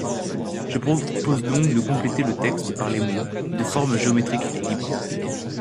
Je propose donc de compléter le texte par les mots « de forme géométrique libre ».